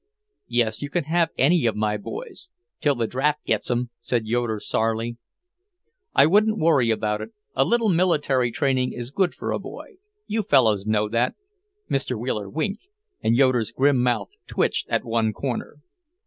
"Yes, you can have any of my boys, till the draft gets 'em," said Yoeder sourly. "I wouldn't worry about it. A little military training is good for a boy. You fellows know that." Mr. Wheeler winked, and Yoeder's grim mouth twitched at one corner.